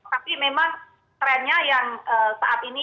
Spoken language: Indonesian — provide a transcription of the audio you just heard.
tapi memang trennya yang saat ini